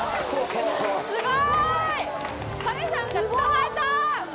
すごい！